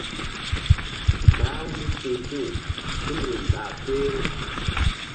Bah-u míti̧h ti̧w tul woyri ɓa peh-u.